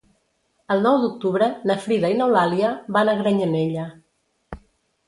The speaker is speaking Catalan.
El nou d'octubre na Frida i n'Eulàlia van a Granyanella.